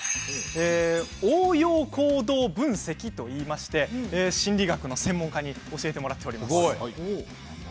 応用行動分析といいまして心理学の専門家に教えてもらいました。